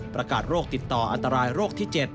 ประกาศโรคติดต่ออันตรายโรคที่๗